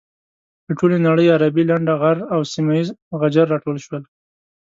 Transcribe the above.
له ټولې نړۍ عربي لنډه غر او سيمه یيز غجر راټول شول.